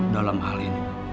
dalam hal ini